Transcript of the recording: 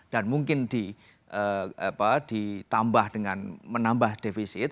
dan mungkin ditambah dengan menambah defisit